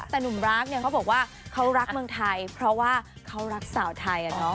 แต่หนุ่มรักเนี่ยเขาบอกว่าเขารักเมืองไทยเพราะว่าเขารักสาวไทย